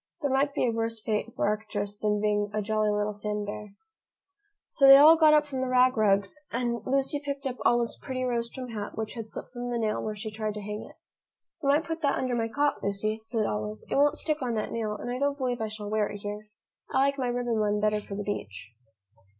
There might be a worse fate for Arcturus than being a jolly little sand bear. So they all got up from the rag rugs and Lucy picked up Olive's pretty rose trimmed hat which had slipped from the nail where she tried to hang it. "You might put that under my cot, Lucy," said Olive. "It won't stick on that nail, and I don't believe I shall wear it here. I like my ribbon one better for the beach."